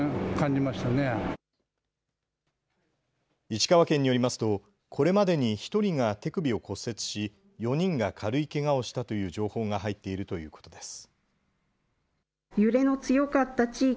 石川県によりますとこれまでに１人が手首を骨折し４人が軽いけがをしたという情報が入っているということです。